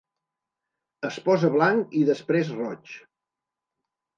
Es posa blanc i després roig.